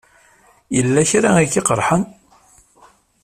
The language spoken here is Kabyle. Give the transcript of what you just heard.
Yella kra ay k-iqerḥen?